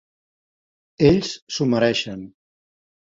Ells s'ho mereixen.